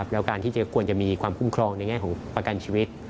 แล้วการที่จะควรจะมีความคุ้มครองในแง่ของประกันชีวิต